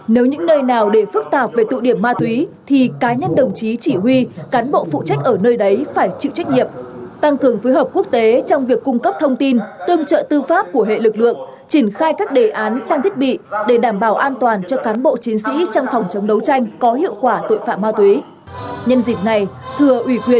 nếu những nơi nào để phức tạp về tụ điểm ma túy thì cá nhân đồng chí chỉ huy cán bộ phụ trách ở nơi đấy phải chịu trách nhiệm tăng cường phối hợp quốc tế trong việc cung cấp thông tin tương trợ tư pháp của hệ lực lượng triển khai các đề án trang thiết bị để đảm bảo an toàn cho cán bộ chiến sĩ trong phòng chống đấu tranh có hiệu quả tuệ phạm ma túy